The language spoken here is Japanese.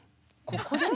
ここで？